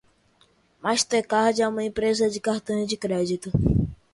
Mastercard é uma empresa de cartões de crédito.